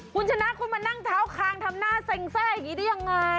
คุณชนะคุณมานั่งเท้าคางทำหน้าเซ็งเซอร์อย่างนี้ได้ยังไง